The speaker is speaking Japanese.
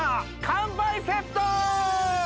乾杯セット！